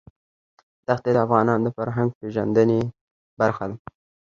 دښتې د افغانانو د فرهنګي پیژندنې برخه ده.